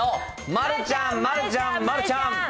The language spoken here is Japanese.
丸ちゃん、丸ちゃん、丸ちゃん。